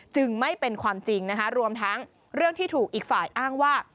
จึงไม่เป็นความจริงนะคะรวมทั้งเรื่องที่ถูกอีกฝ่ายอ้างว่า